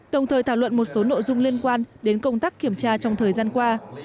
đồng thời thảo luận một số nội dung liên quan đến công tác kiểm tra trong thời gian qua